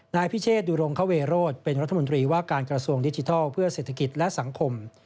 นายพิเชษดุรงคเวโรธเป็นรัฐมนตรีว่าการกระทรวงดิจิทัลเพื่อเศรษฐกิจและสังคม